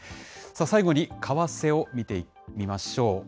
最後に為替を見てみましょう。